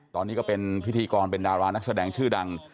ตอนนี้ก็เป็นพิธีกรเป็นดารานักแสดงชื่อดัง